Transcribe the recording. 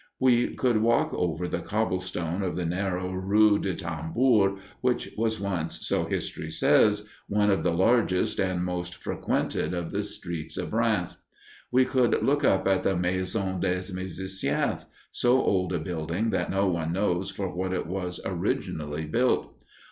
We could walk over the cobblestone of the narrow rue de Tambour, which was once, so history says, one of the largest and most frequented of the streets of Rheims. We could look up at the Maison des Musiciens, so old a building that no one knows for what it was originally built.